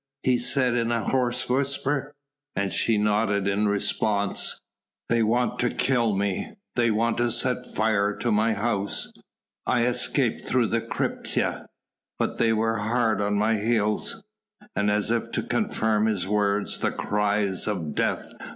he said in a hoarse whisper. And she nodded in response. "They want to kill me ... they have set fire to my house ... I escaped through the crypta.... But they were hard on my heels...." And as if to confirm his words, the cries of "Death!"